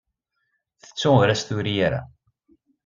Tettu ur as-turi ara.